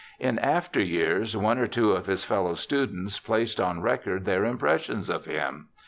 In after years one or two of his fellow students placed on record their impressions of him.